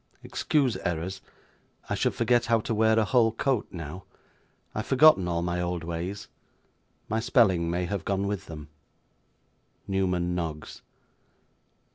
Excuse errors. I should forget how to wear a whole coat now. I have forgotten all my old ways. My spelling may have gone with them. NEWMAN NOGGS.